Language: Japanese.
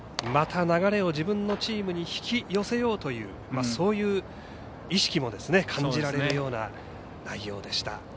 また流れを自分のチームに引き寄せようというそういう意識も感じられるような内容でした。